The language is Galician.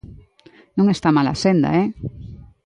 ¡Non está mal a senda, eh!